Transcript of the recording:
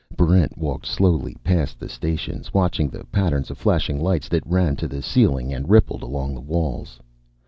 Barrent walked slowly past the stations, watching the patterns of flashing lights that ran to the ceiling and rippled along the walls.